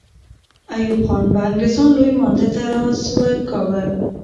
ایوب خان به انګریزان لوی مانده ته را سوه کاوه.